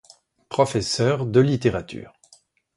Professeur de littérature.